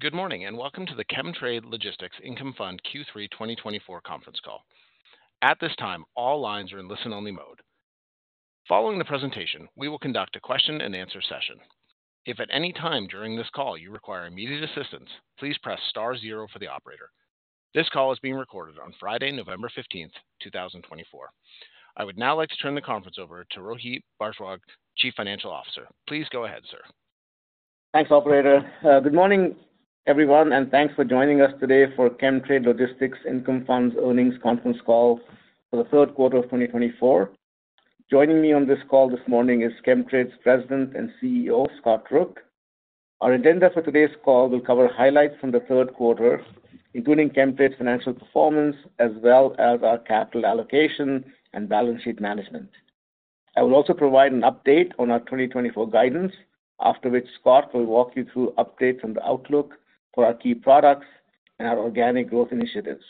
Good morning and welcome to the Chemtrade Logistics Income Fund Q3 2024 conference call. At this time, all lines are in listen-only mode. Following the presentation, we will conduct a question-and-answer session. If at any time during this call you require immediate assistance, please press star zero for the operator. This call is being recorded on Friday, November 15th, 2024. I would now like to turn the conference over to Rohit Bhardwaj, Chief Financial Officer. Please go ahead, sir. Thanks, Operator. Good morning, everyone, and thanks for joining us today for Chemtrade Logistics Income Fund's earnings conference call for the third quarter of 2024. Joining me on this call this morning is Chemtrade's President and CEO, Scott Rook. Our agenda for today's call will cover highlights from the third quarter, including Chemtrade's financial performance, as well as our capital allocation and balance sheet management. I will also provide an update on our 2024 guidance, after which Scott will walk you through updates on the outlook for our key products and our organic growth initiatives.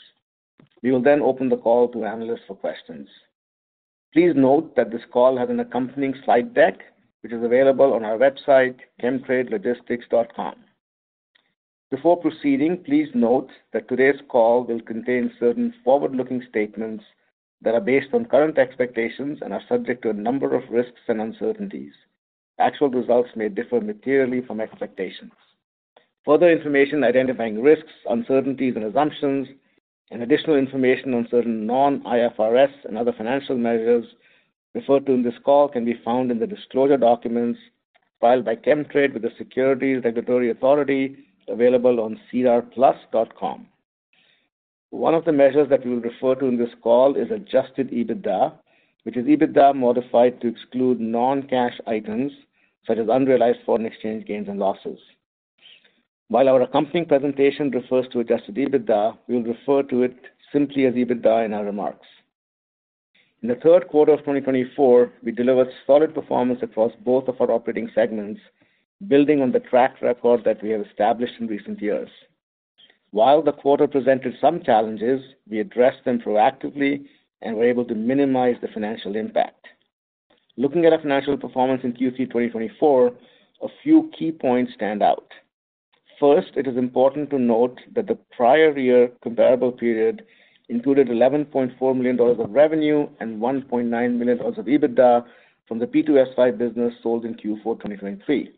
We will then open the call to analysts for questions. Please note that this call has an accompanying slide deck, which is available on our website, chemtradelogistics.com. Before proceeding, please note that today's call will contain certain forward-looking statements that are based on current expectations and are subject to a number of risks and uncertainties. Actual results may differ materially from expectations. Further information identifying risks, uncertainties, and assumptions, and additional information on certain non-IFRS and other financial measures referred to in this call can be found in the disclosure documents filed by Chemtrade with the Securities Regulatory Authority, available on sedarplus.com. One of the measures that we will refer to in this call is adjusted EBITDA, which is EBITDA modified to exclude non-cash items such as unrealized foreign exchange gains and losses. While our accompanying presentation refers to adjusted EBITDA, we will refer to it simply as EBITDA in our remarks. In the third quarter of 2024, we delivered solid performance across both of our operating segments, building on the track record that we have established in recent years. While the quarter presented some challenges, we addressed them proactively and were able to minimize the financial impact. Looking at our financial performance in Q3 2024, a few key points stand out. First, it is important to note that the prior year comparable period included 11.4 million dollars of revenue and 1.9 million of EBITDA from the P2S5 business sold in Q4 2023.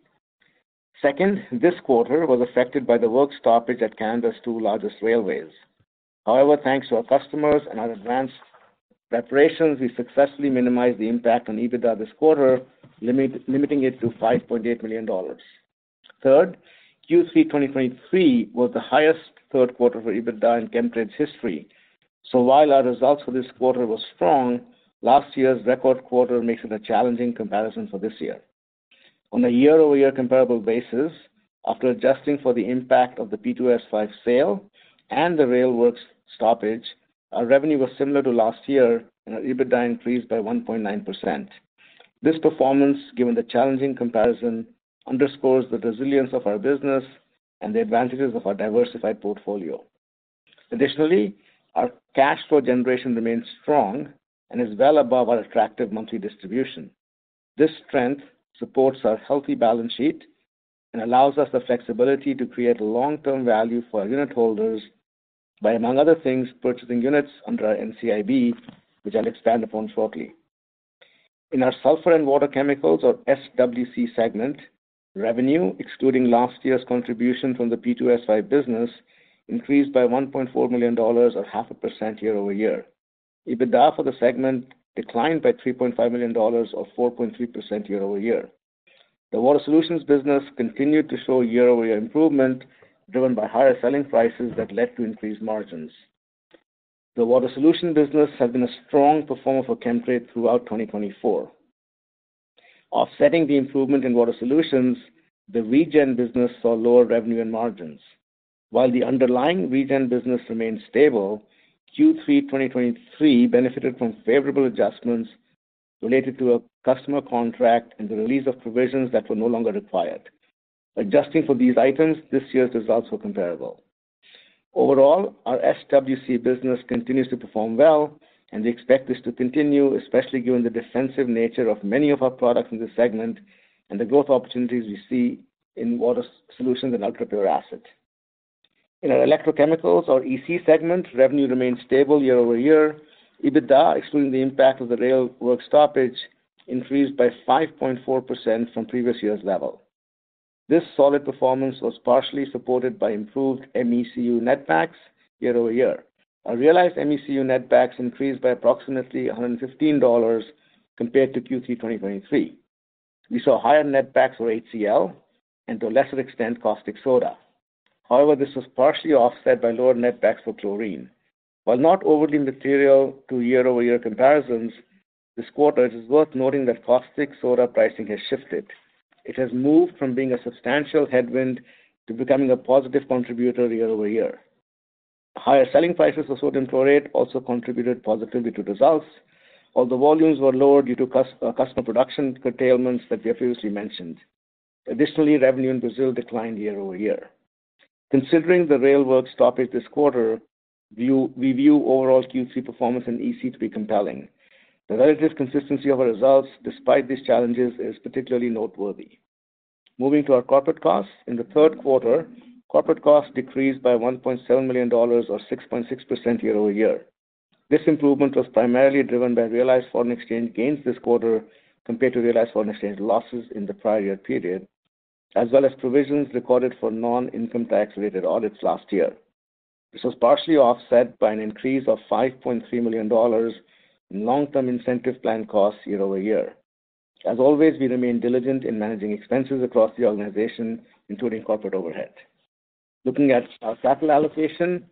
Second, this quarter was affected by the work stoppage at Canada's two largest railways. However, thanks to our customers and our advanced preparations, we successfully minimized the impact on EBITDA this quarter, limiting it to 5.8 million dollars. Third, Q3 2023 was the highest third quarter for EBITDA in Chemtrade's history. So while our results for this quarter were strong, last year's record quarter makes it a challenging comparison for this year. On a year-over-year comparable basis, after adjusting for the impact of the P2S5 sale and the rail work stoppage, our revenue was similar to last year, and our EBITDA increased by 1.9%. This performance, given the challenging comparison, underscores the resilience of our business and the advantages of our diversified portfolio. Additionally, our cash flow generation remains strong and is well above our attractive monthly distribution. This strength supports our healthy balance sheet and allows us the flexibility to create long-term value for our unit holders by, among other things, purchasing units under our NCIB, which I'll expand upon shortly. In our Sulphur and Water Chemicals, or SWC, segment, revenue, excluding last year's contribution from the P2S5 business, increased by 1.4 million dollars, or 0.5%, year-over-year. EBITDA for the segment declined by 3.5 million dollars, or 4.3%, year-over-year. The Water Solutions business continued to show year-over-year improvement, driven by higher selling prices that led to increased margins. The Water Solutions business has been a strong performer for Chemtrade throughout 2024. Offsetting the improvement in Water Solutions, the regen business saw lower revenue and margins. While the underlying regen business remained stable, Q3 2023 benefited from favorable adjustments related to a customer contract and the release of provisions that were no longer required. Adjusting for these items, this year's results were comparable. Overall, our SWC business continues to perform well, and we expect this to continue, especially given the defensive nature of many of our products in this segment and the growth opportunities we see in Water Solutions and UltraPure assets. In our Electrochemicals, or EC, segment, revenue remained stable year-over-year. EBITDA, excluding the impact of the rail work stoppage, increased by 5.4% from previous year's level. This solid performance was partially supported by improved MECU netbacks year-over-year. Our realized MECU netbacks increased by approximately CAD 115 compared to Q3 2023. We saw higher netbacks for HCl and, to a lesser extent, caustic soda. However, this was partially offset by lower netbacks for chlorine. While not overly material to year-over-year comparisons, this quarter, it is worth noting that caustic soda pricing has shifted. It has moved from being a substantial headwind to becoming a positive contributor year-over-year. Higher selling prices for sodium chlorate also contributed positively to results, although volumes were lower due to customer production curtailments that we have previously mentioned. Additionally, revenue in Brazil declined year-over-year. Considering the rail work stoppage this quarter, we view overall Q3 performance and EBITDA to be compelling. The relative consistency of our results, despite these challenges, is particularly noteworthy. Moving to our corporate costs, in the third quarter, corporate costs decreased by 1.7 million dollars, or 6.6%, year-over-year. This improvement was primarily driven by realized foreign exchange gains this quarter compared to realized foreign exchange losses in the prior year period, as well as provisions recorded for non-income tax-related audits last year. This was partially offset by an increase of 5.3 million dollars in long-term incentive plan costs year-over-year. As always, we remain diligent in managing expenses across the organization, including corporate overhead. Looking at our capital allocation,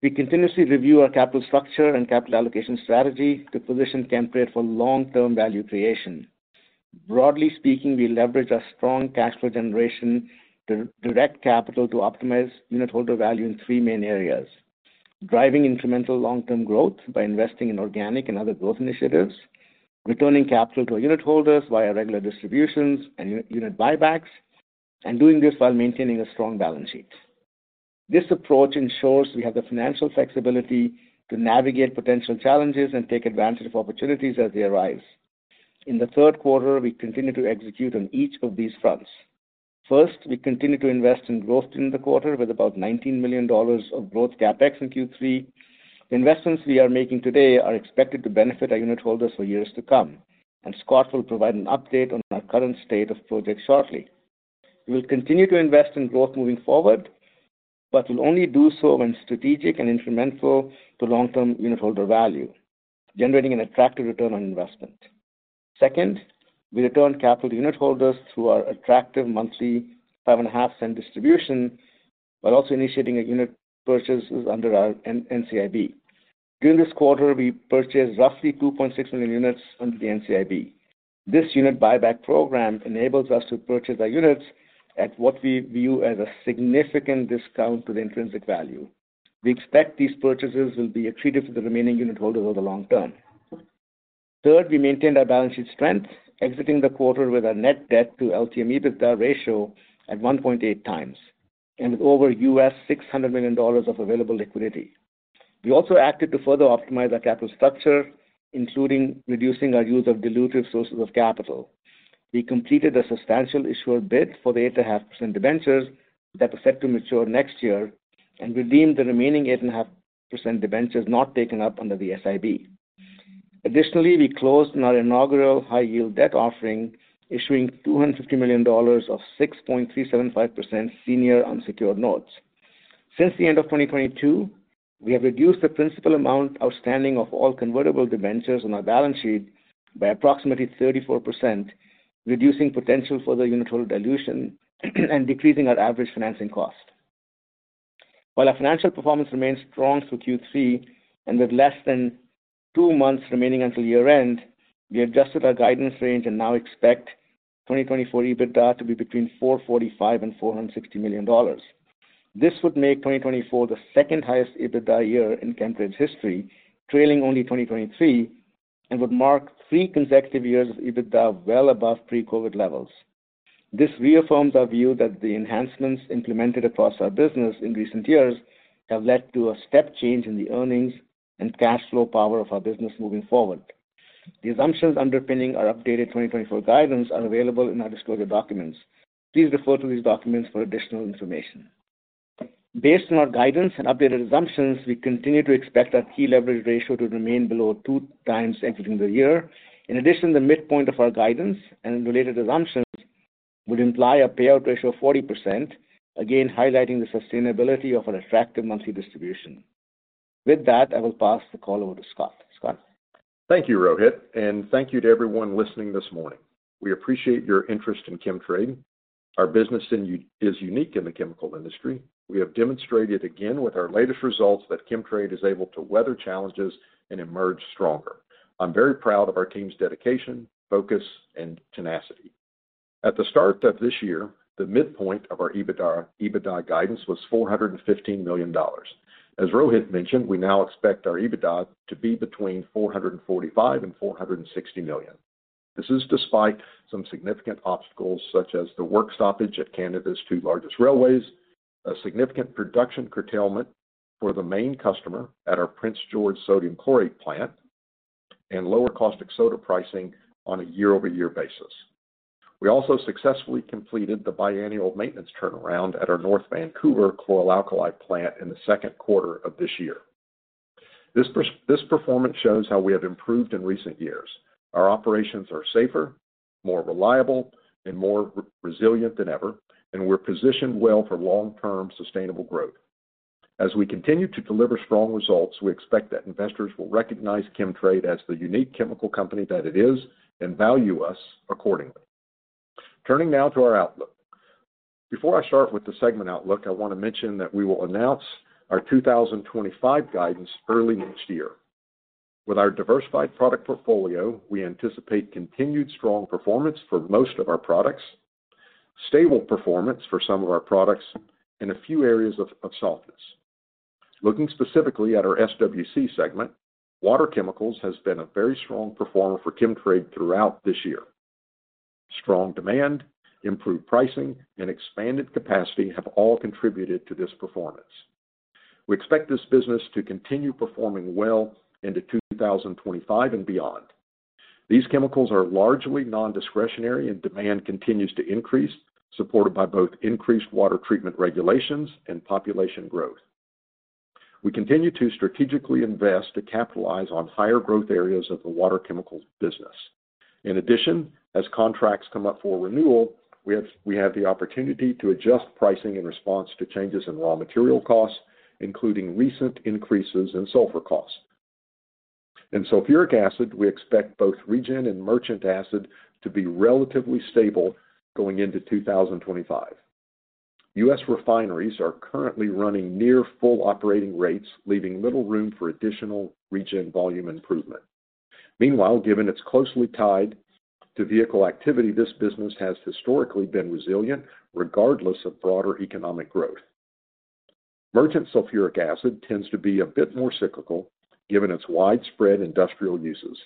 we continuously review our capital structure and capital allocation strategy to position Chemtrade for long-term value creation. Broadly speaking, we leverage our strong cash flow generation to direct capital to optimize unit holder value in three main areas: driving incremental long-term growth by investing in organic and other growth initiatives, returning capital to unit holders via regular distributions and unit buybacks, and doing this while maintaining a strong balance sheet. This approach ensures we have the financial flexibility to navigate potential challenges and take advantage of opportunities as they arise. In the third quarter, we continue to execute on each of these fronts. First, we continue to invest in growth during the quarter with about 19 million dollars of growth CapEx in Q3. The investments we are making today are expected to benefit our unit holders for years to come, and Scott will provide an update on our current state of project shortly. We will continue to invest in growth moving forward, but we'll only do so when strategic and incremental to long-term unit holder value, generating an attractive return on investment. Second, we return capital to unit holders through our attractive monthly 0.055 distribution while also initiating unit purchases under our NCIB. During this quarter, we purchased roughly 2.6 million units under the NCIB. This unit buyback program enables us to purchase our units at what we view as a significant discount to the intrinsic value. We expect these purchases will be attributed to the remaining unit holders over the long term. Third, we maintained our balance sheet strength, exiting the quarter with our net debt-to-LTM EBITDA ratio at 1.8x and with over $600 million of available liquidity. We also acted to further optimize our capital structure, including reducing our use of dilutive sources of capital. We completed a substantial issuer bid for the 8.5% debentures that are set to mature next year and redeemed the remaining 8.5% debentures not taken up under the SIB. Additionally, we closed on our inaugural high-yield debt offering, issuing 250 million dollars of 6.375% senior unsecured notes. Since the end of 2022, we have reduced the principal amount outstanding of all convertible debentures on our balance sheet by approximately 34%, reducing potential further unit holder dilution and decreasing our average financing cost. While our financial performance remains strong through Q3 and with less than two months remaining until year-end, we adjusted our guidance range and now expect 2024 EBITDA to be between 445 million and 460 million dollars. This would make 2024 the second highest EBITDA year in Chemtrade's history, trailing only 2023, and would mark three consecutive years of EBITDA well above pre-COVID levels. This reaffirms our view that the enhancements implemented across our business in recent years have led to a step change in the earnings and cash flow power of our business moving forward. The assumptions underpinning our updated 2024 guidance are available in our disclosure documents. Please refer to these documents for additional information. Based on our guidance and updated assumptions, we continue to expect our key leverage ratio to remain below two times exiting the year. In addition, the midpoint of our guidance and related assumptions would imply a payout ratio of 40%, again highlighting the sustainability of our attractive monthly distribution. With that, I will pass the call over to Scott. Scott? Thank you, Rohit, and thank you to everyone listening this morning. We appreciate your interest in Chemtrade. Our business is unique in the chemical industry. We have demonstrated again with our latest results that Chemtrade is able to weather challenges and emerge stronger. I'm very proud of our team's dedication, focus, and tenacity. At the start of this year, the midpoint of our EBITDA guidance was 415 million dollars. As Rohit mentioned, we now expect our EBITDA to be between 445 million and 460 million. This is despite some significant obstacles such as the work stoppage at Canada's two largest railways, a significant production curtailment for the main customer at our Prince George sodium chlorate plant, and lower caustic soda pricing on a year-over-year basis. We also successfully completed the biannual maintenance turnaround at our North Vancouver chlor-alkali plant in the second quarter of this year. This performance shows how we have improved in recent years. Our operations are safer, more reliable, and more resilient than ever, and we're positioned well for long-term sustainable growth. As we continue to deliver strong results, we expect that investors will recognize Chemtrade as the unique chemical company that it is and value us accordingly. Turning now to our outlook. Before I start with the segment outlook, I want to mention that we will announce our 2025 guidance early next year. With our diversified product portfolio, we anticipate continued strong performance for most of our products, stable performance for some of our products, and a few areas of softness. Looking specifically at our SWC segment, water chemicals has been a very strong performer for Chemtrade throughout this year. Strong demand, improved pricing, and expanded capacity have all contributed to this performance. We expect this business to continue performing well into 2025 and beyond. These chemicals are largely nondiscretionary, and demand continues to increase, supported by both increased water treatment regulations and population growth. We continue to strategically invest to capitalize on higher growth areas of the water chemicals business. In addition, as contracts come up for renewal, we have the opportunity to adjust pricing in response to changes in raw material costs, including recent increases in sulfur costs, and sulfuric acid, we expect both regen and merchant acid to be relatively stable going into 2025. U.S. refineries are currently running near full operating rates, leaving little room for additional regen volume improvement. Meanwhile, given it's closely tied to vehicle activity, this business has historically been resilient regardless of broader economic growth. Merchant sulfuric acid tends to be a bit more cyclical, given its widespread industrial uses.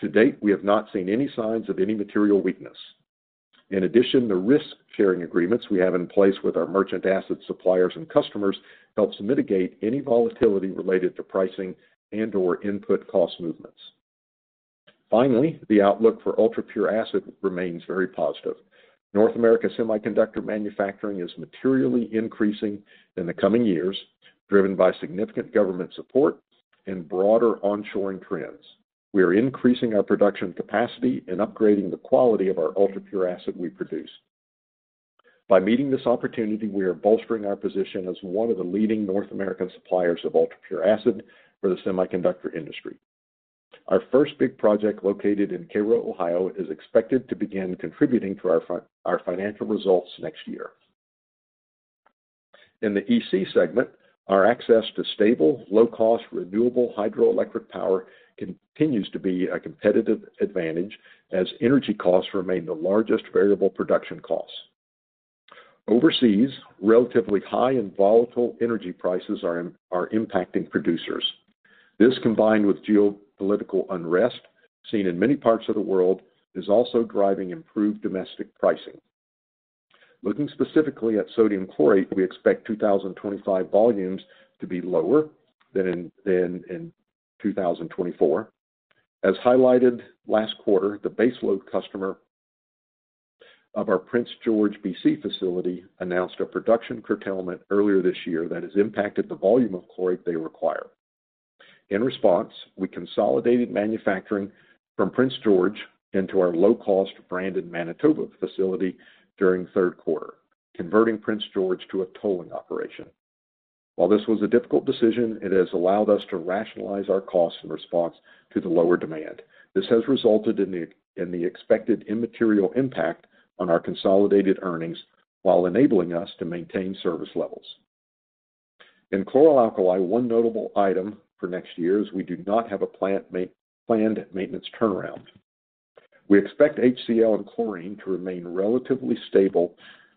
To date, we have not seen any signs of any material weakness. In addition, the risk-sharing agreements we have in place with our merchant acid suppliers and customers help mitigate any volatility related to pricing and/or input cost movements. Finally, the outlook for UltraPure acid remains very positive. North America semiconductor manufacturing is materially increasing in the coming years, driven by significant government support and broader onshoring trends. We are increasing our production capacity and upgrading the quality of our UltraPure acid we produce. By meeting this opportunity, we are bolstering our position as one of the leading North American suppliers of UltraPure acid for the semiconductor industry. Our first big project located in Cairo, Ohio, is expected to begin contributing to our financial results next year. In the EC segment, our access to stable, low-cost, renewable hydroelectric power continues to be a competitive advantage as energy costs remain the largest variable production costs. Overseas, relatively high and volatile energy prices are impacting producers. This, combined with geopolitical unrest seen in many parts of the world, is also driving improved domestic pricing. Looking specifically at sodium chlorate, we expect 2025 volumes to be lower than in 2024. As highlighted last quarter, the baseload customer of our Prince George BC facility announced a production curtailment earlier this year that has impacted the volume of chlorate they require. In response, we consolidated manufacturing from Prince George into our low-cost Brandon Manitoba facility during third quarter, converting Prince George to a tolling operation. While this was a difficult decision, it has allowed us to rationalize our costs in response to the lower demand. This has resulted in the expected immaterial impact on our consolidated earnings while enabling us to maintain service levels. In chlor-alkali, one notable item for next year is we do not have a planned maintenance turnaround. We expect HCl and chlorine to remain relatively stable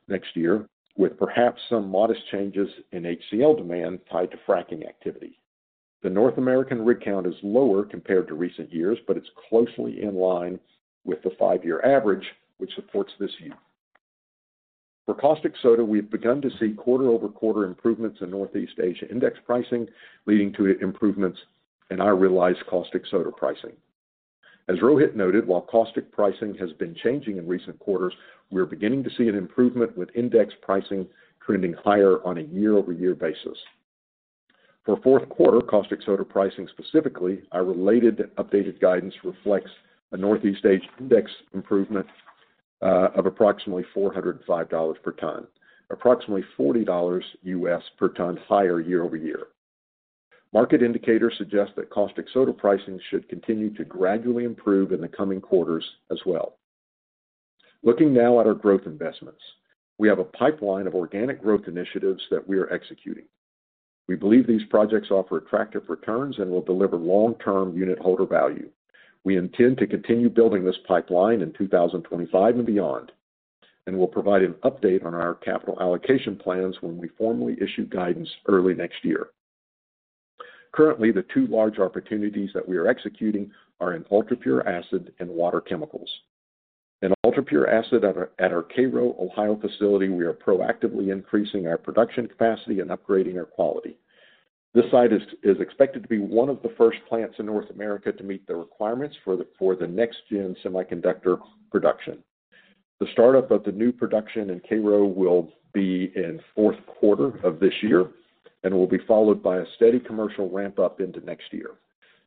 next year, with perhaps some modest changes in HCl demand tied to fracking activity. The North American rig count is lower compared to recent years, but it's closely in line with the five-year average, which supports this view. For caustic soda, we've begun to see quarter-over-quarter improvements in Northeast Asia index pricing, leading to improvements in our realized caustic soda pricing. As Rohit noted, while caustic pricing has been changing in recent quarters, we are beginning to see an improvement with index pricing trending higher on a year-over-year basis. For fourth quarter, caustic soda pricing specifically, our related updated guidance reflects a Northeast Asia index improvement of approximately 405 dollars per ton, approximately $40 per ton higher year-over-year. Market indicators suggest that caustic soda pricing should continue to gradually improve in the coming quarters as well. Looking now at our growth investments, we have a pipeline of organic growth initiatives that we are executing. We believe these projects offer attractive returns and will deliver long-term unit holder value. We intend to continue building this pipeline in 2025 and beyond and will provide an update on our capital allocation plans when we formally issue guidance early next year. Currently, the two large opportunities that we are executing are in UltraPure acid and water chemicals. In UltraPure acid at our Cairo, Ohio facility, we are proactively increasing our production capacity and upgrading our quality. This site is expected to be one of the first plants in North America to meet the requirements for the next-gen semiconductor production. The startup of the new production in Cairo will be in fourth quarter of this year and will be followed by a steady commercial ramp-up into next year.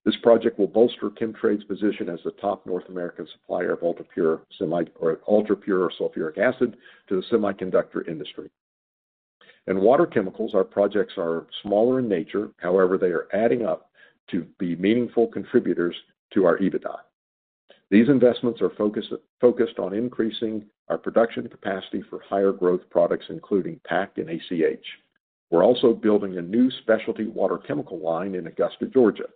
This project will bolster Chemtrade's position as the top North American supplier of UltraPure sulfuric acid to the semiconductor industry. In water chemicals, our projects are smaller in nature. However, they are adding up to be meaningful contributors to our EBITDA. These investments are focused on increasing our production capacity for higher growth products, including PAC and ACH. We're also building a new specialty water chemical line in Augusta, Georgia.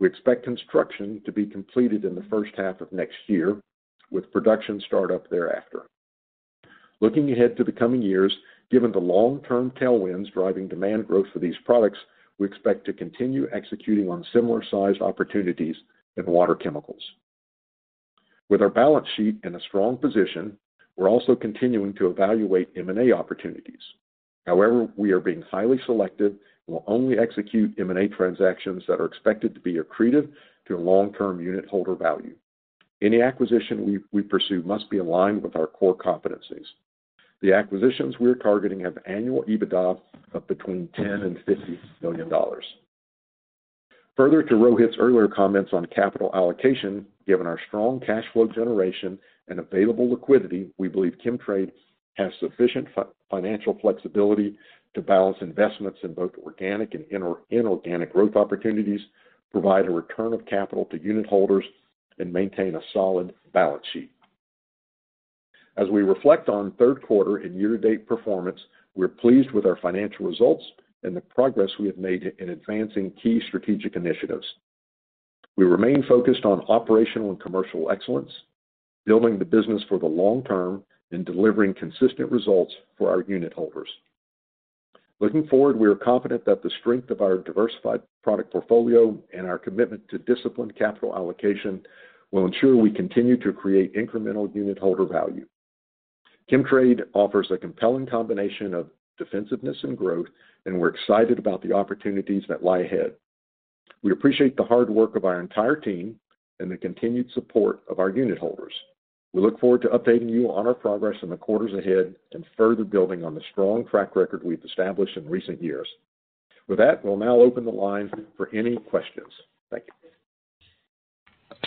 We expect construction to be completed in the first half of next year, with production startup thereafter. Looking ahead to the coming years, given the long-term tailwinds driving demand growth for these products, we expect to continue executing on similar-sized opportunities in water chemicals. With our balance sheet in a strong position, we're also continuing to evaluate M&A opportunities. However, we are being highly selective and will only execute M&A transactions that are expected to be accretive to long-term unit holder value. Any acquisition we pursue must be aligned with our core competencies. The acquisitions we're targeting have annual EBITDA of between 10 million-50 million dollars. Further to Rohit's earlier comments on capital allocation, given our strong cash flow generation and available liquidity, we believe Chemtrade has sufficient financial flexibility to balance investments in both organic and inorganic growth opportunities, provide a return of capital to unit holders, and maintain a solid balance sheet. As we reflect on third quarter and year-to-date performance, we're pleased with our financial results and the progress we have made in advancing key strategic initiatives. We remain focused on operational and commercial excellence, building the business for the long term, and delivering consistent results for our unit holders. Looking forward, we are confident that the strength of our diversified product portfolio and our commitment to disciplined capital allocation will ensure we continue to create incremental unit holder value. Chemtrade offers a compelling combination of defensiveness and growth, and we're excited about the opportunities that lie ahead. We appreciate the hard work of our entire team and the continued support of our unit holders. We look forward to updating you on our progress in the quarters ahead and further building on the strong track record we've established in recent years. With that, we'll now open the line for any questions. Thank you.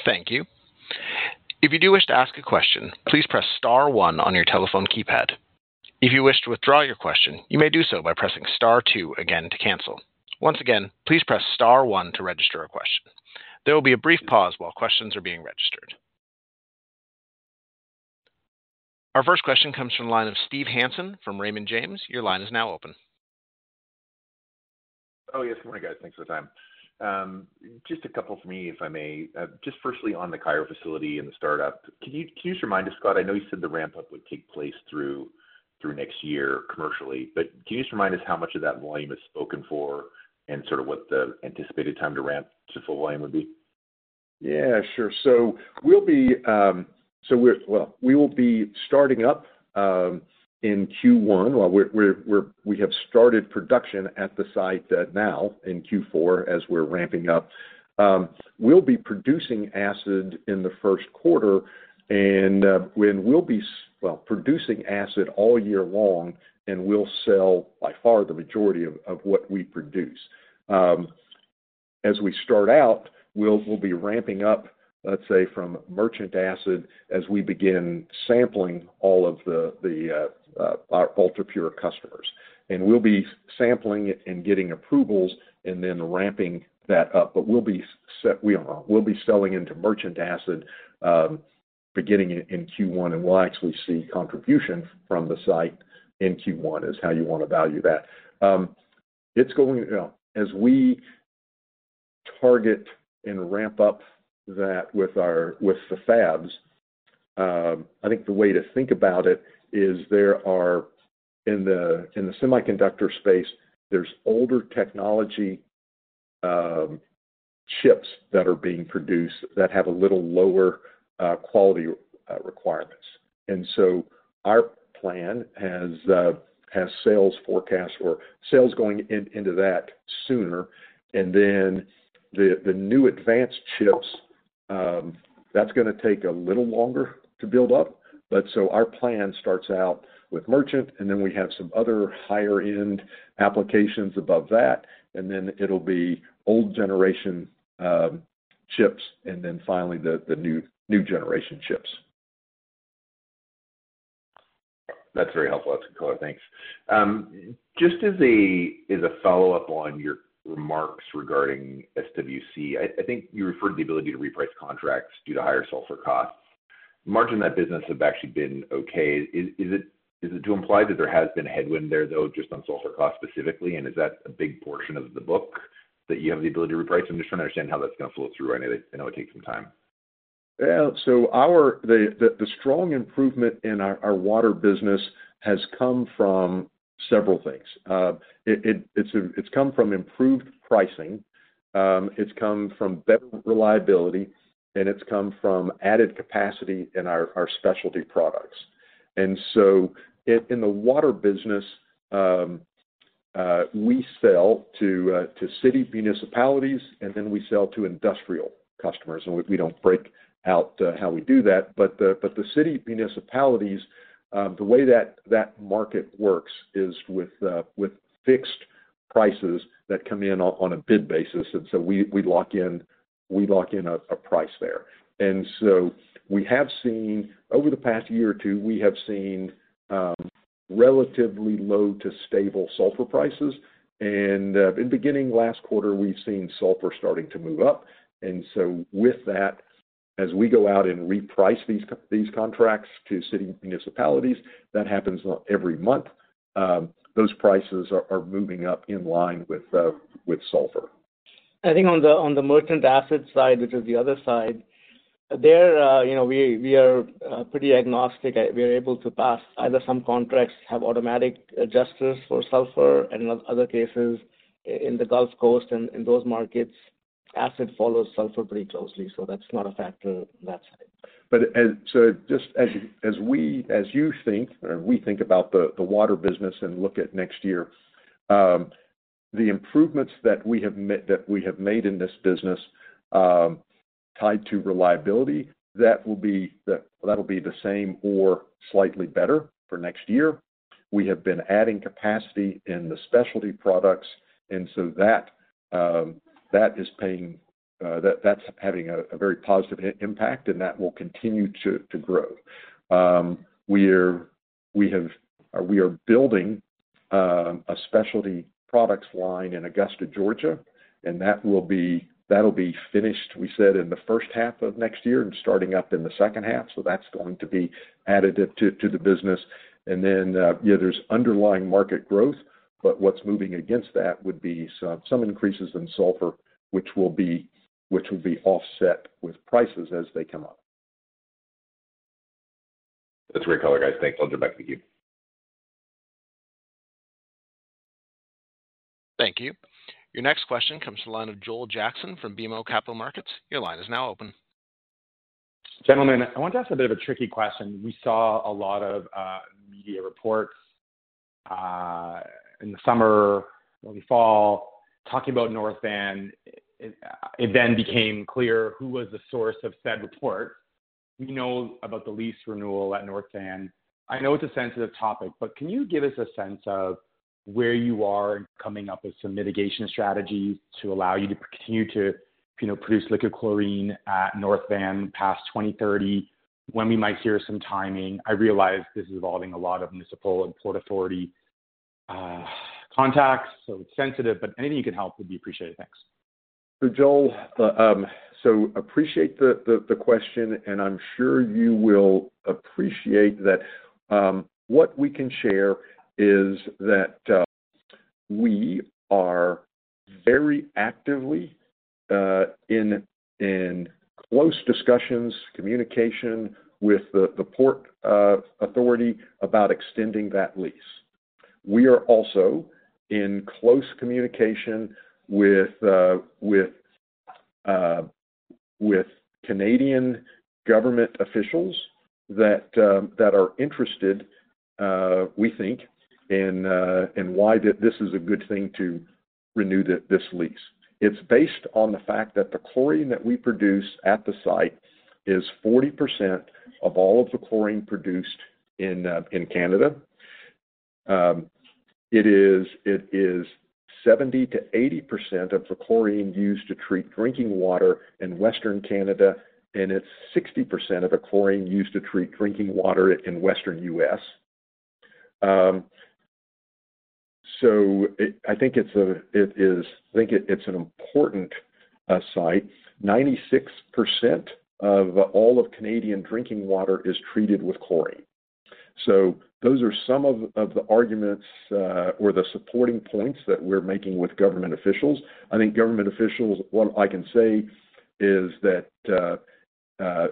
Thank you. If you do wish to ask a question, please press star one on your telephone keypad. If you wish to withdraw your question, you may do so by pressing star two again to cancel. Once again, please press star one to register a question. There will be a brief pause while questions are being registered. Our first question comes from the line of Steve Hansen from Raymond James. Your line is now open. Oh, yes. Good morning, guys. Thanks for the time. Just a couple for me, if I may. Just firstly, on the Cairo facility and the startup, can you just remind us, Scott? I know you said the ramp-up would take place through next year commercially, but can you just remind us how much of that volume is spoken for and sort of what the anticipated time to ramp to full volume would be? Yeah, sure. So we'll be starting up in Q1. We have started production at the site now in Q4 as we're ramping up. We'll be producing acid in the first quarter, and we'll be, well, producing acid all year long, and we'll sell by far the majority of what we produce. As we start out, we'll be ramping up, let's say, from merchant acid as we begin sampling all of our UltraPure customers. And we'll be sampling it and getting approvals and then ramping that up. But we'll be selling into merchant acid beginning in Q1, and we'll actually see contribution from the site in Q1 is how you want to value that. As we target and ramp up that with the fabs, I think the way to think about it is there are in the semiconductor space, there's older technology chips that are being produced that have a little lower quality requirements. And so our plan has sales forecasts or sales going into that sooner. And then the new advanced chips, that's going to take a little longer to build up. But so our plan starts out with merchant, and then we have some other higher-end applications above that, and then it'll be old generation chips, and then finally the new generation chips. That's very helpful. That's a good call. Thanks. Just as a follow-up on your remarks regarding SWC, I think you referred to the ability to reprice contracts due to higher sulfur costs. Margin that business has actually been okay. Is it to imply that there has been a headwind there, though, just on sulfur costs specifically? And is that a big portion of the book that you have the ability to reprice? I'm just trying to understand how that's going to flow through. I know it takes some time. So the strong improvement in our water business has come from several things. It's come from improved pricing. It's come from better reliability, and it's come from added capacity in our specialty products. And so in the water business, we sell to city municipalities, and then we sell to industrial customers. And we don't break out how we do that. But the city municipalities, the way that market works is with fixed prices that come in on a bid basis. And so we lock in a price there. And so we have seen over the past year or two, we have seen relatively low to stable sulfur prices. And in beginning last quarter, we've seen sulfur starting to move up. And so with that, as we go out and reprice these contracts to city municipalities, that happens every month, those prices are moving up in line with sulfur. I think on the merchant acid side, which is the other side, we are pretty agnostic. We are able to pass either some contracts have automatic adjusters for sulfur, and in other cases, in the Gulf Coast and in those markets, acid follows sulfur pretty closely. So that's not a factor on that side. But so just as you think or we think about the water business and look at next year, the improvements that we have made in this business tied to reliability, that will be the same or slightly better for next year. We have been adding capacity in the specialty products, and so that is having a very positive impact, and that will continue to grow. We are building a specialty products line in Augusta, Georgia, and that will be finished, we said, in the first half of next year and starting up in the second half. So that's going to be added to the business. And then there's underlying market growth, but what's moving against that would be some increases in sulfur, which will be offset with prices as they come up. That's a great call, guys. Thanks. I'll jump back to you. Thank you. Your next question comes from the line of Joel Jackson from BMO Capital Markets. Your line is now open. Gentlemen, I want to ask a bit of a tricky question. We saw a lot of media reports in the summer, early fall, talking about North Van. It then became clear who was the source of said reports. We know about the lease renewal at North Van. I know it's a sensitive topic, but can you give us a sense of where you are coming up with some mitigation strategies to allow you to continue to produce liquid chlorine at North Van past 2030 when we might hear some timing? I realize this is involving a lot of municipal and port authority contacts, so it's sensitive, but anything you can help would be appreciated. Thanks. So, Joel, so appreciate the question, and I'm sure you will appreciate that what we can share is that we are very actively in close discussions, communication with the port authority about extending that lease. We are also in close communication with Canadian government officials that are interested, we think, in why this is a good thing to renew this lease. It's based on the fact that the chlorine that we produce at the site is 40% of all of the chlorine produced in Canada. It is 70%-80% of the chlorine used to treat drinking water in Western Canada, and it's 60% of the chlorine used to treat drinking water in Western U.S. So I think it's an important site. 96% of all of Canadian drinking water is treated with chlorine. So those are some of the arguments or the supporting points that we're making with government officials. I think government officials, what I can say is that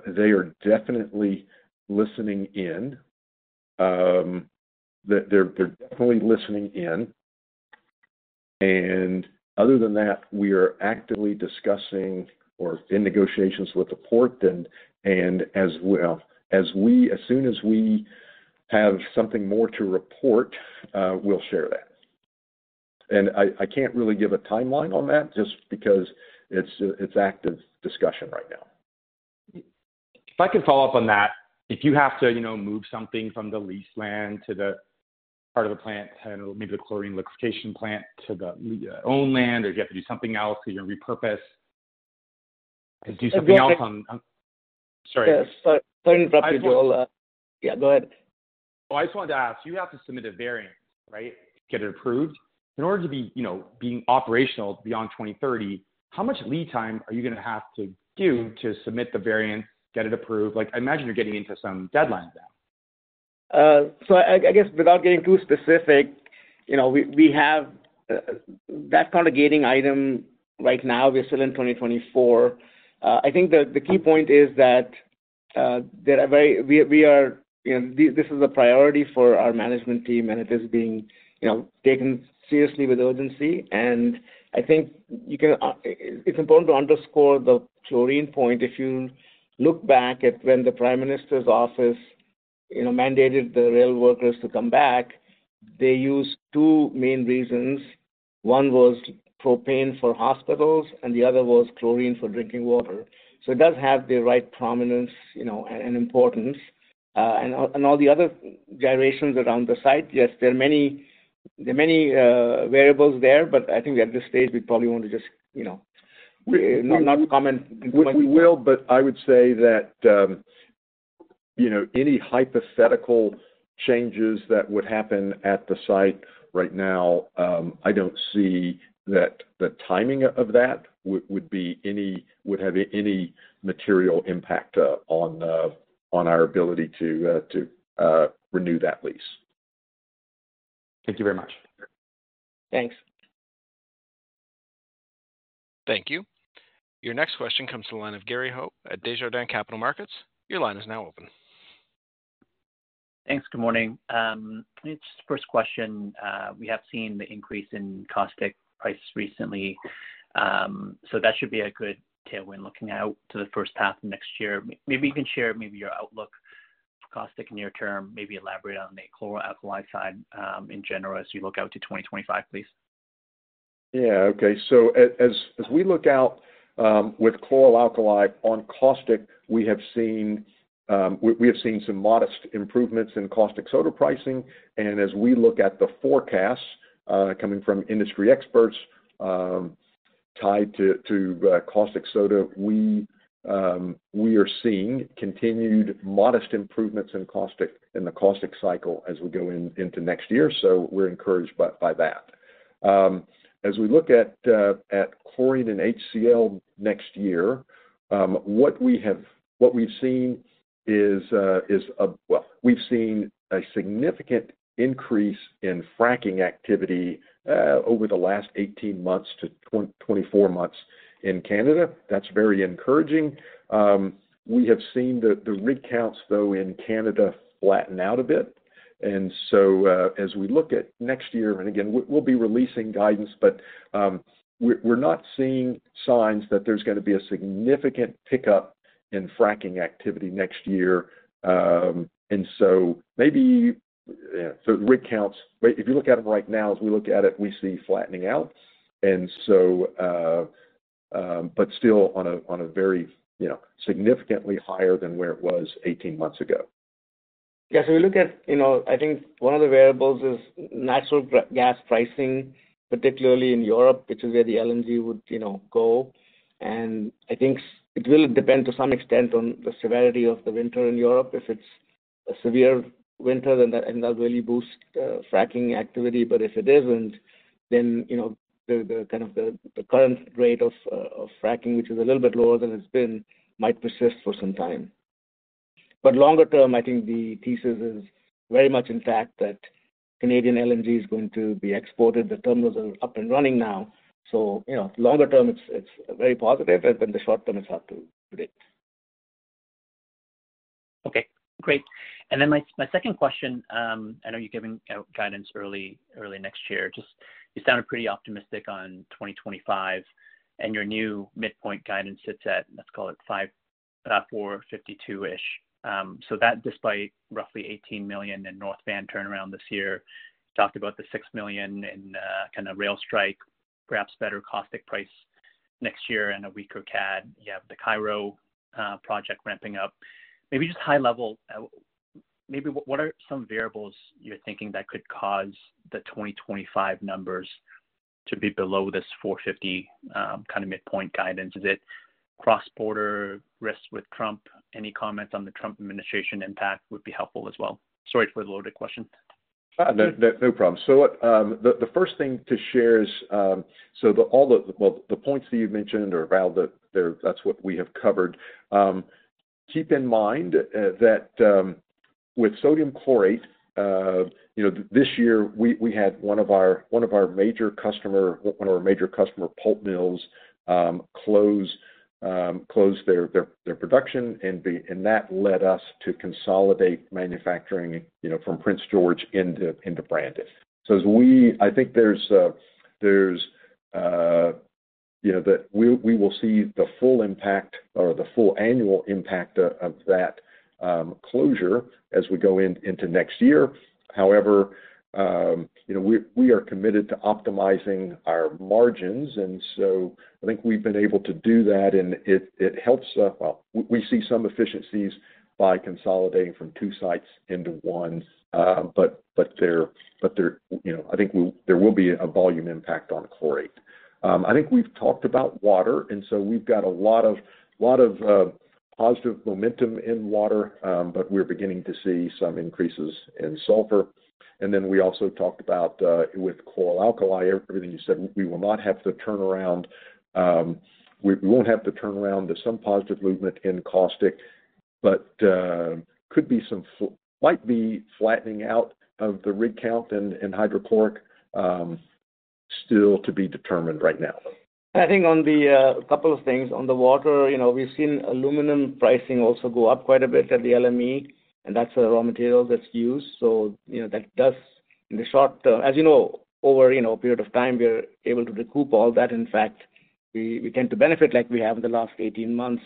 they are definitely listening in. They're definitely listening in. And other than that, we are actively discussing or in negotiations with the port. And as soon as we have something more to report, we'll share that. And I can't really give a timeline on that just because it's active discussion right now. If I can follow up on that, if you have to move something from the leased land to the part of the plant, maybe the chlorine liquefaction plant to the owned land, or you have to do something else because you're going to repurpose, do something else on. Sorry. Sorry to interrupt you, Joel. Yeah, go ahead. I just wanted to ask, you have to submit a variant, right, get it approved. In order to be operational beyond 2030, how much lead time are you going to have to do to submit the variant, get it approved? I imagine you're getting into some deadlines now. So, I guess without getting too specific, we have that kind of gating item right now. We're still in 2024. I think the key point is that this is a priority for our management team, and it is being taken seriously with urgency. And I think it's important to underscore the chlorine point. If you look back at when the Prime Minister's Office mandated the rail workers to come back, they used two main reasons. One was propane for hospitals, and the other was chlorine for drinking water. So it does have the right prominence and importance. And all the other gyrations around the strike, yes, there are many variables there, but I think at this stage, we probably want to just not comment. We will, but I would say that any hypothetical changes that would happen at the site right now, I don't see that the timing of that would have any material impact on our ability to renew that lease. Thank you very much. Thanks. Thank you. Your next question comes to the line of Gary Ho at Desjardins Capital Markets. Your line is now open. Thanks. Good morning. It's the first question. We have seen the increase in caustic prices recently, so that should be a good tailwind looking out to the first half of next year. Maybe you can share maybe your outlook for caustic in the near term, maybe elaborate on the chloroalkali side in general as you look out to 2025, please. Yeah. Okay. So as we look out with chlor-alkali on caustic, we have seen some modest improvements in caustic soda pricing. And as we look at the forecasts coming from industry experts tied to caustic soda, we are seeing continued modest improvements in the caustic cycle as we go into next year. So we're encouraged by that. As we look at chlorine and HCl next year, what we've seen is, well, we've seen a significant increase in fracking activity over the last 18 months to 24 months in Canada. That's very encouraging. We have seen the rig counts, though, in Canada flatten out a bit. And so as we look at next year, and again, we'll be releasing guidance, but we're not seeing signs that there's going to be a significant pickup in fracking activity next year. And so maybe the run rates, if you look at them right now, as we look at it, we see flattening out. And so, but still on a very significantly higher than where it was 18 months ago. Yeah. So, we look at. I think one of the variables is natural gas pricing, particularly in Europe, which is where the LNG would go. And I think it will depend to some extent on the severity of the winter in Europe. If it's a severe winter, then that will really boost fracking activity. But if it isn't, then kind of the current rate of fracking, which is a little bit lower than it's been, might persist for some time. But longer term, I think the thesis is very much in fact that Canadian LNG is going to be exported. The terminals are up and running now. So longer term, it's very positive, and then the short term is up to date. Okay. Great. And then my second question, I know you're giving guidance early next year. You sounded pretty optimistic on 2025, and your new midpoint guidance sits at, let's call it 545.2 million-ish. So that despite roughly 18 million in North Van turnaround this year, talked about the 6 million in kind of rail strike, perhaps better caustic price next year and a weaker CAD. You have the Cairo project ramping up. Maybe just high level, maybe what are some variables you're thinking that could cause the 2025 numbers to be below this 450 million kind of midpoint guidance? Is it cross-border risks with Trump? Any comments on the Trump administration impact would be helpful as well. Sorry for the loaded question. No problem. So the first thing to share is, so all the points that you've mentioned are valid. That's what we have covered. Keep in mind that with sodium chlorate, this year we had one of our major customer pulp mills close their production, and that led us to consolidate manufacturing from Prince George into Brandon. So I think that we will see the full impact or the full annual impact of that closure as we go into next year. However, we are committed to optimizing our margins, and so I think we've been able to do that, and it helps us. Well, we see some efficiencies by consolidating from two sites into one, but I think there will be a volume impact on chlorate. I think we've talked about water, and so we've got a lot of positive momentum in water, but we're beginning to see some increases in sulfur. And then we also talked about, with chlor-alkali, everything you said, we will not have a turnaround. We won't have a turnaround due to some positive movement in caustic, but could be some slight flattening out of the run rate in hydrochloric still to be determined right now. I think on a couple of things. On the water, we've seen aluminum pricing also go up quite a bit at the LME, and that's the raw material that's used. So that does, in the short term, as you know, over a period of time, we're able to recoup all that. In fact, we tend to benefit like we have in the last 18 months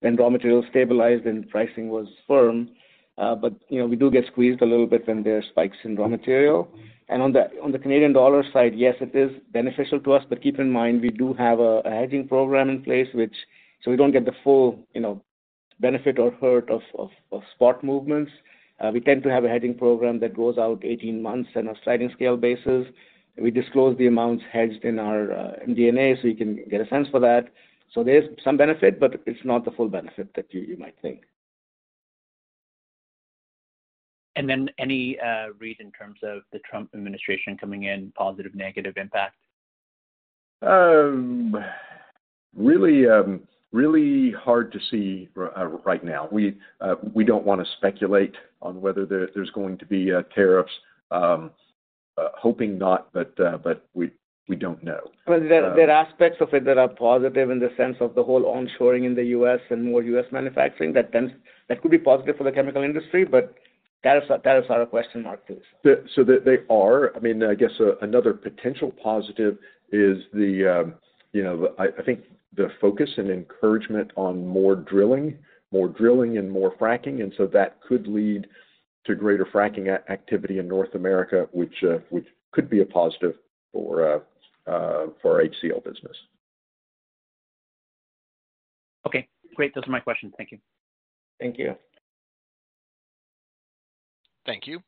when raw material stabilized and pricing was firm. But we do get squeezed a little bit when there are spikes in raw material. And on the Canadian dollar side, yes, it is beneficial to us, but keep in mind we do have a hedging program in place, which so we don't get the full benefit or hurt of spot movements. We tend to have a hedging program that goes out 18 months on a sliding scale basis. We disclose the amounts hedged in our MD&A so you can get a sense for that. So there's some benefit, but it's not the full benefit that you might think. And then any read in terms of the Trump administration coming in, positive, negative impact? Really hard to see right now. We don't want to speculate on whether there's going to be tariffs. Hoping not, but we don't know. There are aspects of it that are positive in the sense of the whole onshoring in the U.S. and more U.S. manufacturing. That could be positive for the chemical industry, but tariffs are a question mark too. So they are. I mean, I guess another potential positive is the, I think, the focus and encouragement on more drilling, more drilling, and more fracking. And so that could lead to greater fracking activity in North America, which could be a positive for our HCl business. Okay. Great. Those are my questions. Thank you. Thank you. Thank you.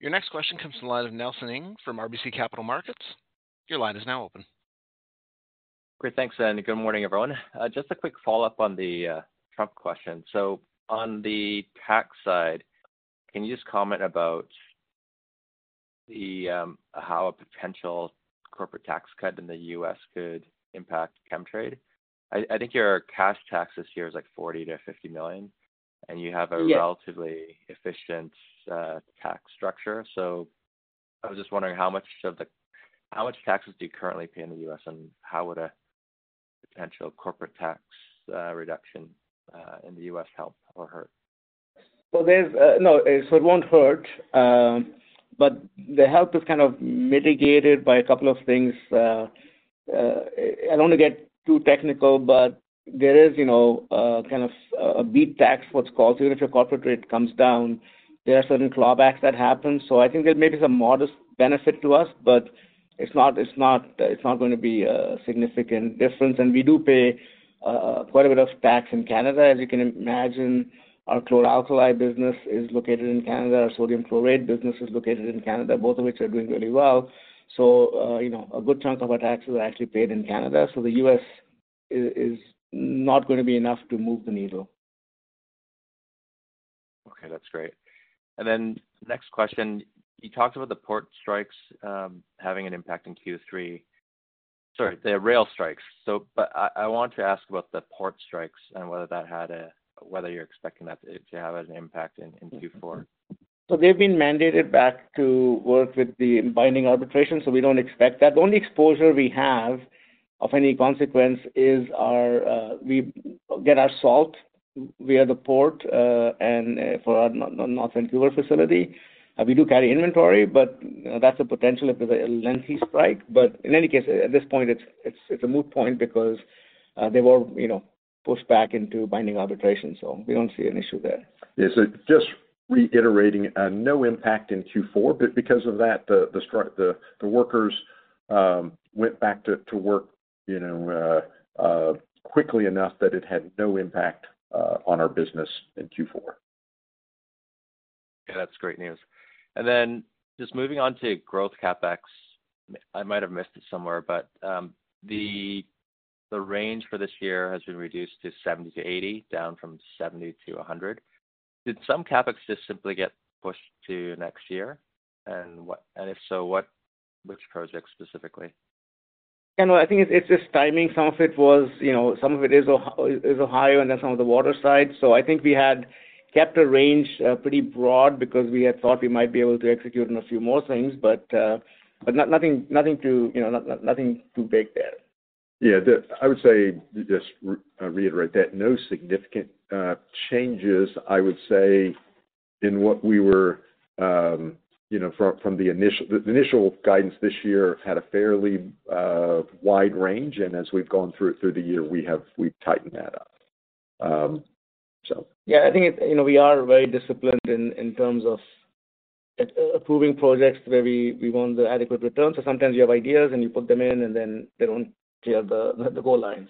Your next question comes from the line of Nelson Ng from RBC Capital Markets. Your line is now open. Great. Thanks, and good morning, everyone. Just a quick follow-up on the Trump question. So on the tax side, can you just comment about how a potential corporate tax cut in the U.S. could impact Chemtrade? I think your cash tax this year is like 40 million-50 million, and you have a relatively efficient tax structure. So I was just wondering how much taxes do you currently pay in the U.S., and how would a potential corporate tax reduction in the U.S. help or hurt? Well, no, so it won't hurt, but the help is kind of mitigated by a couple of things. I don't want to get too technical, but there is kind of a BEAT tax, what's called, even if your corporate rate comes down, there are certain clawbacks that happen. So I think there may be some modest benefit to us, but it's not going to be a significant difference. And we do pay quite a bit of tax in Canada, as you can imagine. Our chlor-alkali business is located in Canada. Our sodium chlorate business is located in Canada, both of which are doing really well. So a good chunk of our taxes are actually paid in Canada. So the U.S. is not going to be enough to move the needle. Okay. That's great. And then, next question. You talked about the port strikes having an impact in Q3. Sorry, the rail strikes. But I wanted to ask about the port strikes and whether you're expecting that to have an impact in Q4. So they've been mandated back to work with the binding arbitration, so we don't expect that. The only exposure we have of any consequence is we get our salt via the port and for our North Vancouver facility. We do carry inventory, but that's a potential if it's a lengthy strike. But in any case, at this point, it's a moot point because they were pushed back into binding arbitration. So we don't see an issue there. Yeah. So just reiterating, no impact in Q4, but because of that, the workers went back to work quickly enough that it had no impact on our business in Q4. Yeah. That's great news. And then just moving on to growth CapEx. I might have missed it somewhere, but the range for this year has been reduced to 70-80, down from 70-100? Did some CapEx just simply get pushed to next year? And if so, which projects specifically? Nelson, I think it's just timing. Some of it was, some of it is Ohio, and then some of the water side. So I think we had kept a range pretty broad because we had thought we might be able to execute on a few more things, but nothing too big there. Yeah. I would say just reiterate that no significant changes, I would say, in what we were from the initial guidance. This year had a fairly wide range, and as we've gone through the year, we've tightened that up, so. Yeah. I think we are very disciplined in terms of approving projects where we want the adequate returns. So sometimes you have ideas and you put them in, and then they don't clear the goal lines,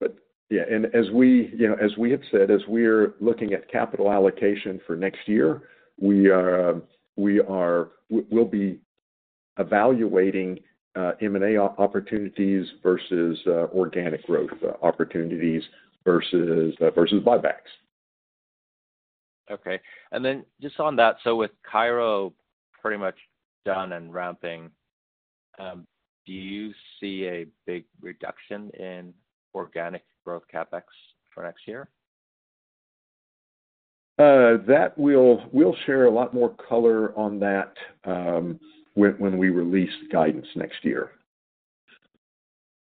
but. Yeah. And as we have said, as we're looking at capital allocation for next year, we will be evaluating M&A opportunities versus organic growth opportunities versus buybacks. Okay. And then just on that, so with Cairo pretty much done and ramping, do you see a big reduction in organic growth CapEx for next year? That we'll share a lot more color on that when we release guidance next year,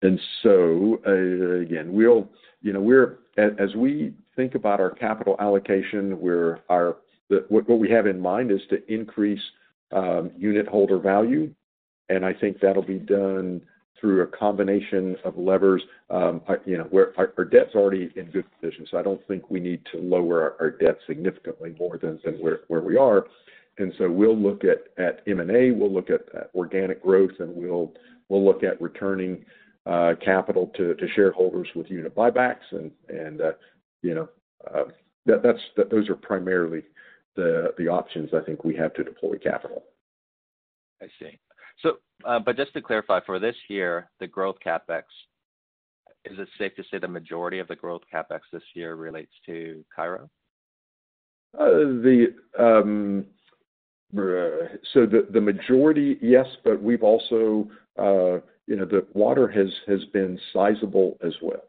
and so again, as we think about our capital allocation, what we have in mind is to increase unitholder value, and I think that'll be done through a combination of levers. Our debt's already in good position, so I don't think we need to lower our debt significantly more than where we are, and so we'll look at M&A, we'll look at organic growth, and we'll look at returning capital to shareholders with unit buybacks, and those are primarily the options I think we have to deploy capital. I see. But just to clarify for this year, the growth CapEx, is it safe to say the majority of the growth CapEx this year relates to Cairo? So the majority, yes, but we've also the water has been sizable as well.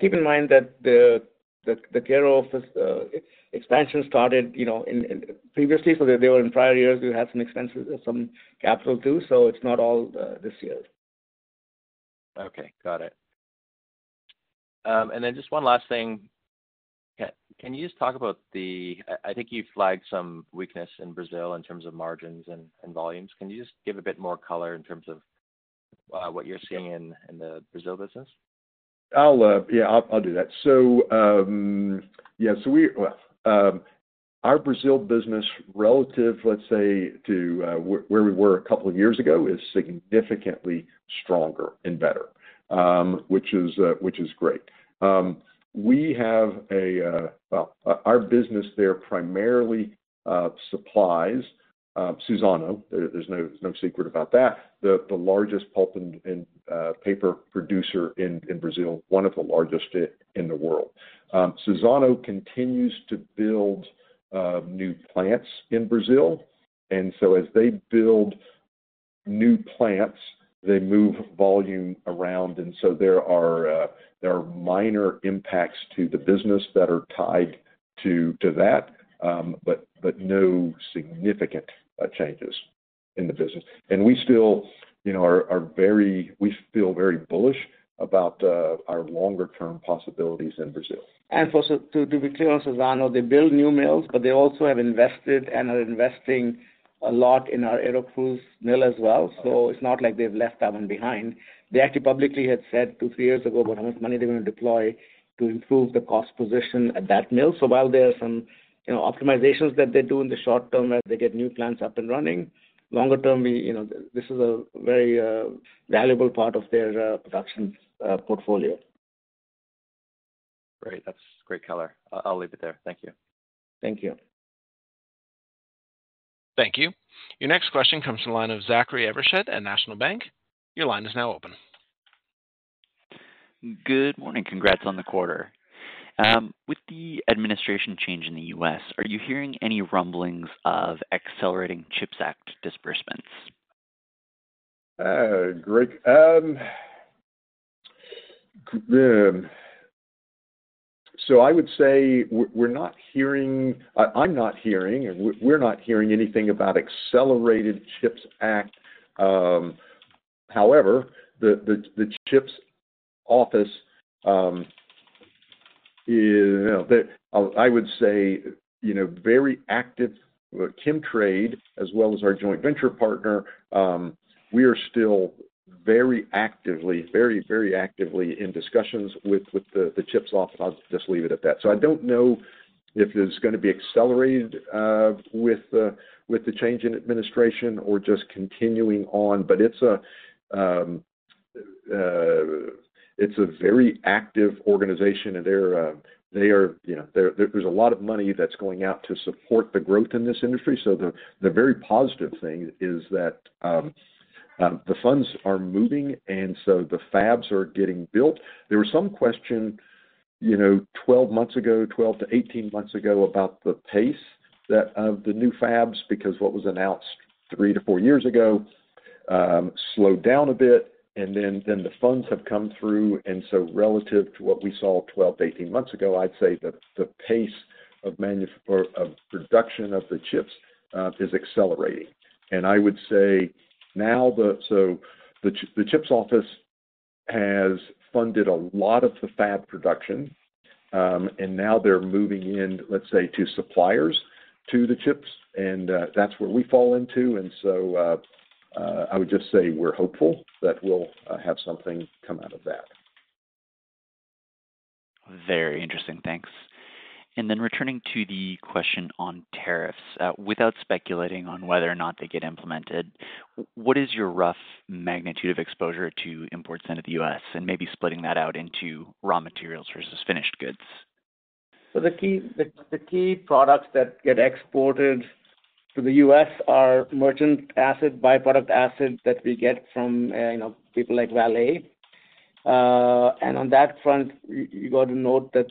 Keep in mind that the Cairo expansion started previously, so there were in prior years, we had some expenses, some capital too. So it's not all this year. Okay. Got it. And then just one last thing. Can you just talk about the, I think, you flagged some weakness in Brazil in terms of margins and volumes? Can you just give a bit more color in terms of what you're seeing in the Brazil business? Yeah. I'll do that. So yeah, our Brazil business relative, let's say, to where we were a couple of years ago is significantly stronger and better, which is great. We have, well, our business there primarily supplies Suzano. There's no secret about that. The largest pulp and paper producer in Brazil, one of the largest in the world. Suzano continues to build new plants in Brazil. And so as they build new plants, they move volume around. And so there are minor impacts to the business that are tied to that, but no significant changes in the business. And we still are very. We feel very bullish about our longer-term possibilities in Brazil. And also to be clear on Suzano, they build new mills, but they also have invested and are investing a lot in our Aracruz mill as well. So it's not like they've left that one behind. They actually publicly had said two or three years ago about how much money they're going to deploy to improve the cost position at that mill. So while there are some optimizations that they do in the short term as they get new plants up and running, longer term, this is a very valuable part of their production portfolio. Great. That's great color. I'll leave it there. Thank you. Thank you. Thank you. Your next question comes from the line of Zachary Evershed at National Bank. Your line is now open. Good morning. Congrats on the quarter. With the administration change in the U.S., are you hearing any rumblings of accelerating CHIPS Act disbursements? Great. So I would say we're not hearing anything about accelerated CHIPS Act. However, the CHIPS office is, I would say, very active. Chemtrade, as well as our joint venture partner, we are still very actively in discussions with the CHIPS office. I'll just leave it at that. So I don't know if there's going to be accelerated with the change in administration or just continuing on, but it's a very active organization, and there's a lot of money that's going out to support the growth in this industry. So the very positive thing is that the funds are moving, and so the fabs are getting built. There was some question 12 months ago, 12-18 months ago about the pace of the new fabs because what was announced three to four years ago slowed down a bit, and then the funds have come through. And so relative to what we saw 12-18 months ago, I'd say that the pace of production of the chips is accelerating. And I would say now, so the CHIPS office has funded a lot of the fab production, and now they're moving in, let's say, to suppliers to the chips, and that's where we fall into. And so I would just say we're hopeful that we'll have something come out of that. Very interesting. Thanks. And then returning to the question on tariffs, without speculating on whether or not they get implemented, what is your rough magnitude of exposure to imports into the U.S. and maybe splitting that out into raw materials versus finished goods? The key products that get exported to the U.S. are merchant acids, byproduct acids that we get from people like Vale. On that front, you got to note that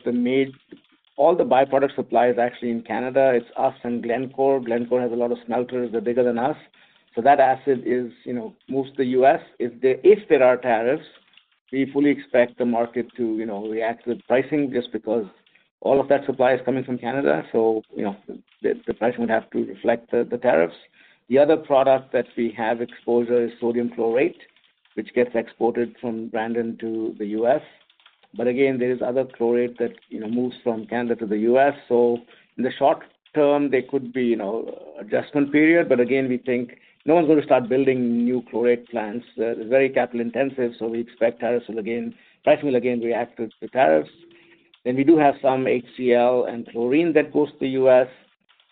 all the byproduct supply is actually in Canada. It's us and Glencore. Glencore has a lot of smelters. They're bigger than us. So that acid moves to the U.S. If there are tariffs, we fully expect the market to react with pricing just because all of that supply is coming from Canada. So the price would have to reflect the tariffs. The other product that we have exposure is sodium chlorate, which gets exported from Brandon to the U.S. But again, there is other chlorate that moves from Canada to the U.S. So in the short term, there could be an adjustment period. But again, we think no one's going to start building new chlorate plants. It's very capital-intensive. So we expect price will again react to tariffs. Then we do have some HCl and chlorine that goes to the U.S.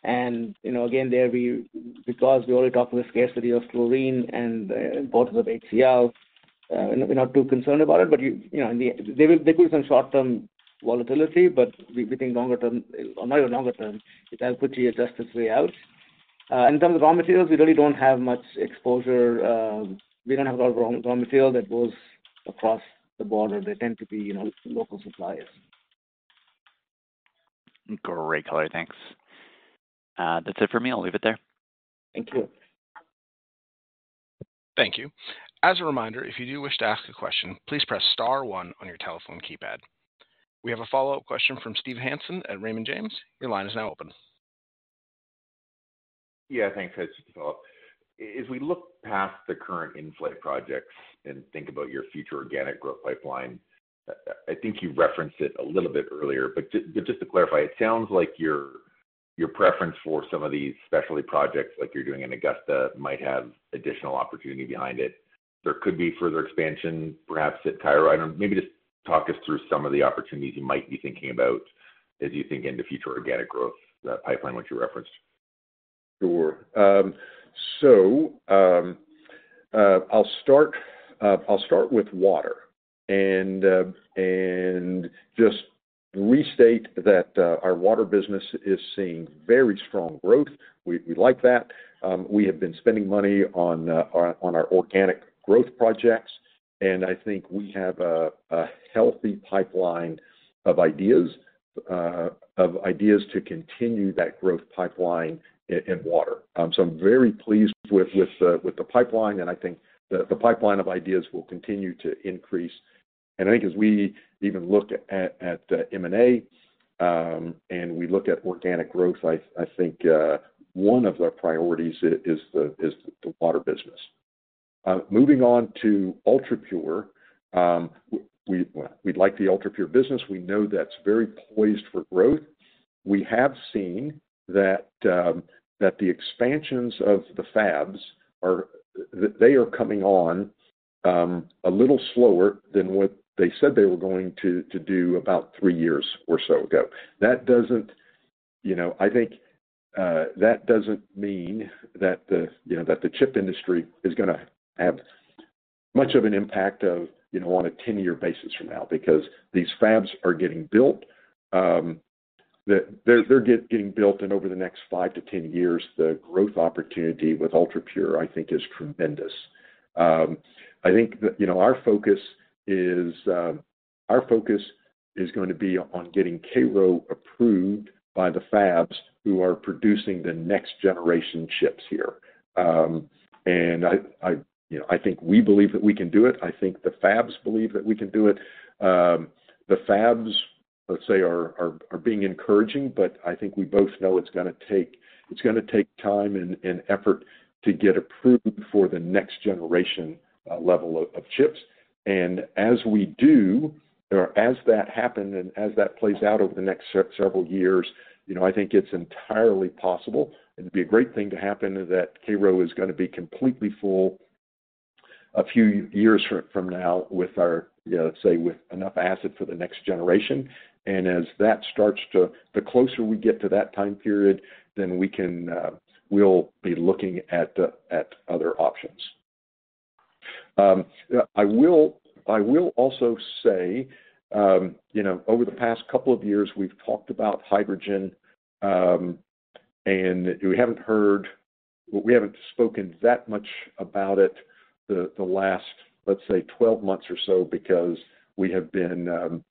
And again, because we already talked about the scarcity of chlorine and the importance of HCl, we're not too concerned about it. But there could be some short-term volatility, but we think longer-term, or not even longer-term, it has quickly adjust its way out. In terms of raw materials, we really don't have much exposure. We don't have a lot of raw material that goes across the border. They tend to be local suppliers. Great, Rohit. Thanks. That's it for me. I'll leave it there. Thank you. Thank you. As a reminder, if you do wish to ask a question, please press star one on your telephone keypad. We have a follow-up question from Steve Hansen at Raymond James. Your line is now open. Yeah. Thanks, Operator. As we look past the current in-flight projects and think about your future organic growth pipeline, I think you referenced it a little bit earlier. But just to clarify, it sounds like your preference for some of these specialty projects like you're doing in Augusta might have additional opportunity behind it. There could be further expansion, perhaps at Cairo. Maybe just walk us through some of the opportunities you might be thinking about as you think into future organic growth pipeline, which you referenced. Sure. So I'll start with water. And just restate that our water business is seeing very strong growth. We like that. We have been spending money on our organic growth projects. And I think we have a healthy pipeline of ideas to continue that growth pipeline in water. So I'm very pleased with the pipeline. And I think the pipeline of ideas will continue to increase. And I think as we even look at M&A and we look at organic growth, I think one of our priorities is the water business. Moving on to UltraPure. We like the UltraPure business. We know that's very poised for growth. We have seen that the expansions of the fabs, they are coming on a little slower than what they said they were going to do about three years or so ago. I think that doesn't mean that the chip industry is going to have much of an impact on a 10-year basis from now because these fabs are getting built. They're getting built. And over the next 5-10 years, the growth opportunity with UltraPure, I think, is tremendous. I think our focus is going to be on getting Cairo approved by the fabs who are producing the next generation chips here. And I think we believe that we can do it. I think the fabs believe that we can do it. The fabs, let's say, are being encouraging, but I think we both know it's going to take time and effort to get approved for the next generation level of chips. And as we do, or as that happens and as that plays out over the next several years, I think it's entirely possible. It'd be a great thing to happen that Cairo is going to be completely full a few years from now, let's say, with enough acid for the next generation, and as that starts, the closer we get to that time period, then we'll be looking at other options. I will also say, over the past couple of years, we've talked about hydrogen, and we haven't spoken that much about it the last, let's say, 12 months or so because we have been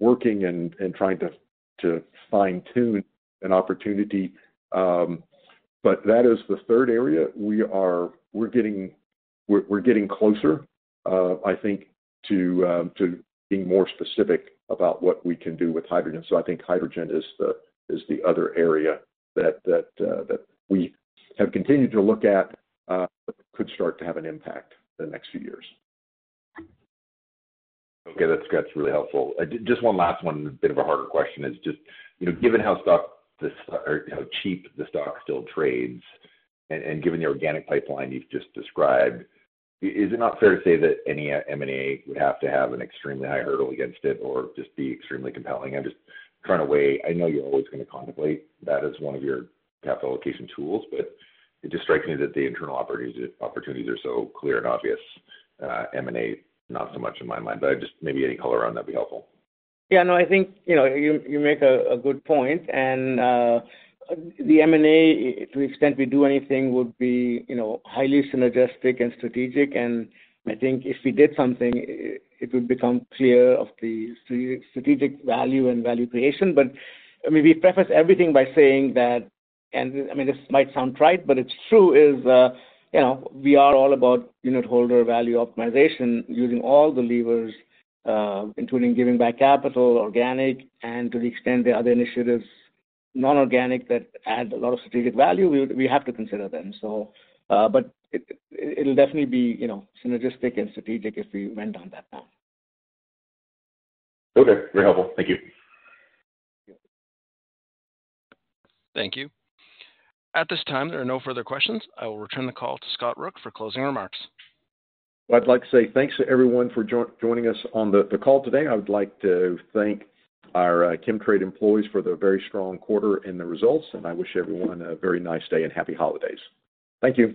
working and trying to fine-tune an opportunity, but that is the third area. We're getting closer, I think, to being more specific about what we can do with hydrogen, so I think hydrogen is the other area that we have continued to look at, could start to have an impact in the next few years. Okay. That's really helpful. Just one last one, a bit of a harder question is just, given how cheap the stock still trades and given the organic pipeline you've just described, is it not fair to say that any M&A would have to have an extremely high hurdle against it or just be extremely compelling? I'm just trying to weigh, I know you're always going to contemplate that as one of your capital allocation tools, but it just strikes me that the internal opportunities are so clear and obvious. M&A, not so much in my mind. But just maybe any color on that would be helpful. Yeah. No, I think you make a good point. And the M&A, to the extent we do anything, would be highly synergistic and strategic. And I think if we did something, it would become clear of the strategic value and value creation. But I mean, we preface everything by saying that, and I mean, this might sound trite, but it's true, is we are all about unitholder value optimization using all the levers, including giving back capital, organic, and to the extent there are other initiatives, non-organic that add a lot of strategic value, we have to consider them. But it'll definitely be synergistic and strategic if we went on that path. Okay. Very helpful. Thank you. Thank you. At this time, there are no further questions. I will return the call to Scott Rook for closing remarks. I'd like to say thanks to everyone for joining us on the call today. I would like to thank our Chemtrade employees for the very strong quarter and the results. I wish everyone a very nice day and happy holidays. Thank you.